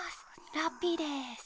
ラッピーです。